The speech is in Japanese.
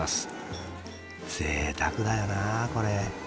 ぜいたくだよなあこれ。